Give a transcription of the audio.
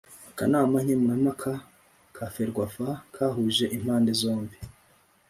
akanama nkemurampaka ka ferwafa kahuje impande zombi